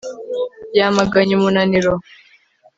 Yamaganye umunaniro